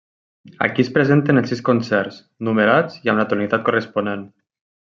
Aquí es presenten els sis concerts, numerats i amb la tonalitat corresponent.